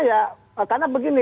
ya karena begini